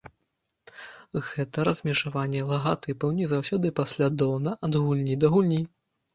Гэта размежаванне лагатыпаў не заўсёды паслядоўна ад гульні да гульні.